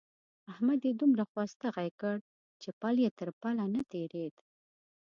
احمد يې دومره خوا ستغی کړ چې پل يې تر پله نه تېرېد.